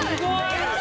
やった！